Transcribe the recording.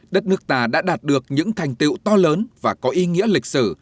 đất nước ta đã đạt được những thành tiệu to lớn và có ý nghĩa lịch sử